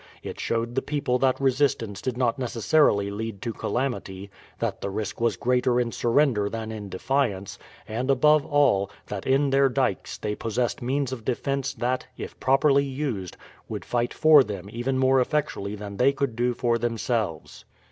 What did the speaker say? It showed the people that resistance did not necessarily lead to calamity, that the risk was greater in surrender than in defiance, and, above all, that in their dykes they possessed means of defence that, if properly used, would fight for them even more effectually than they could do for themselves.